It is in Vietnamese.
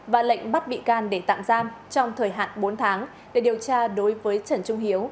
và lệnh bắt bị can để tạm giam trong thời hạn bốn tháng để điều tra đối với trần trung hiếu